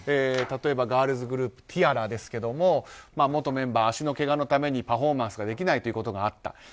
例えばガールズグループＴ‐ＡＲＡですが元メンバー、足のけがのためにパフォーマンスができないことがあった。